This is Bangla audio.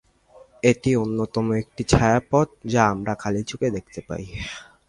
এটি অন্যতম একটি ছায়াপথ যা আমরা খালি চোখে দেখতে পাই।